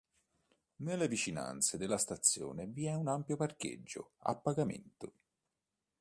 Nelle vicinanze della stazione vi è un ampio parcheggio a pagamento.